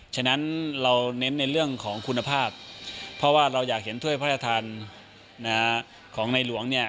ฉะนั้นเราเน้นในเรื่องของคุณภาพเพราะว่าเราอยากเห็นถ้วยพระราชทานของในหลวงเนี่ย